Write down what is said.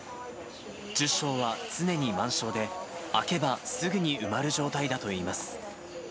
１０床は常に満床で、空けばすぐに埋まる状態だといいます。